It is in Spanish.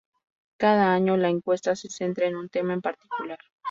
Cada año la encuesta se centra en un tema en particular.